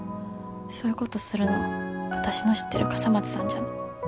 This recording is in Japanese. そういうことするのわたしの知ってる笠松さんじゃ。